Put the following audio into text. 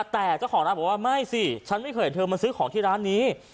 แต่เจ้าของร้านบอกว่าไม่สิฉันไม่เคยเธอมาซื้อของที่ร้านนี้